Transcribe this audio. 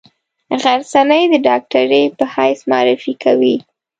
غرڅنۍ د ډاکټرې په حیث معرفي کوي.